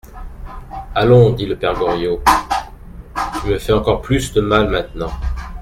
Allons, dit le père Goriot, tu me fais encore plus de mal maintenant.